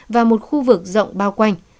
vào một khu vực rộng bao quanh